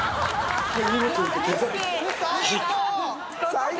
最高！